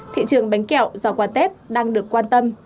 thị trường bánh kẹo giò quà tết đang được quan tâm